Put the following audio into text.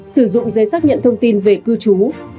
sử dụng giấy xác nhận thông tin về cư trú